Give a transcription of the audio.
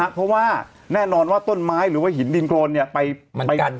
เพราะว่าแน่นอนว่าต้นไม้หรือว่าหินดินโครนไปกัน